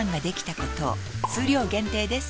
数量限定です